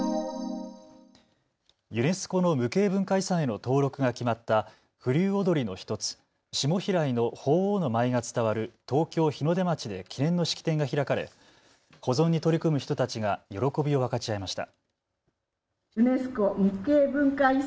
ユネスコの無形文化遺産への登録が決まった風流踊の１つ、下平井の鳳凰の舞が伝わる東京日の出町で記念の式典が開かれ保存に取り組む人たちが喜びを分かち合いました。